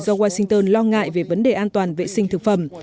do washington lo ngại về vấn đề an toàn vệ sinh thực phẩm